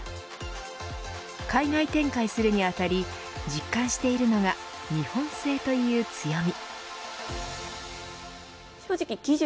海外展開するに当たり実感しているのが日本製という強み。